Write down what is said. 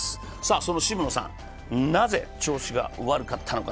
その渋野さん、なぜ調子が悪かったのか。